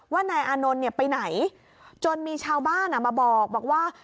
นายอานนท์เนี่ยไปไหนจนมีชาวบ้านมาบอกว่า